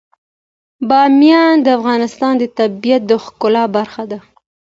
بامیان د افغانستان د طبیعت د ښکلا برخه ده.